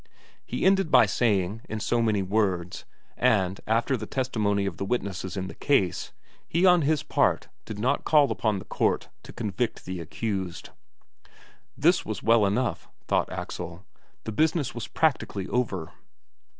He ended by saying, in so many words, that after the testimony of the witnesses in the case, he on his part did not call upon the court to convict the accused. This was well enough, thought Axel the business was practically over.